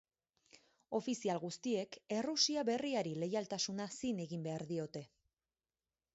Ofizial guztiek Errusia Berriari leialtasuna zin egin behar diote.